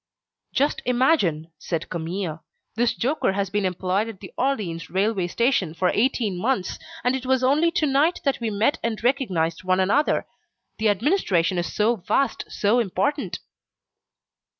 "Just imagine," said Camille, "this joker has been employed at the Orleans Railway Station for eighteen months, and it was only to night that we met and recognised one another the administration is so vast, so important!"